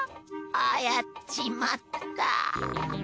あやっちまった。